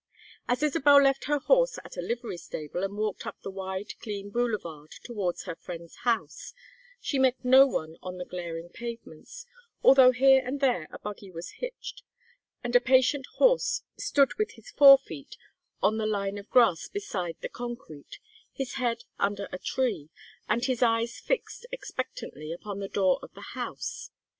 As Isabel left her horse at a livery stable and walked up the wide clean boulevard towards her friend's house, she met no one on the glaring pavements, although here and there a buggy was hitched, and a patient horse stood with his fore feet on the line of grass beside the concrete, his head under a tree, and his eyes fixed expectantly upon the door of the house.